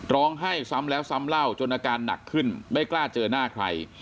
ทำให้ซ้ำแล้วซ้ำเล่าจนอาการหนักขึ้นไม่กล้าเจอหน้าใคร